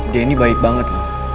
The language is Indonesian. dia ini baik banget loh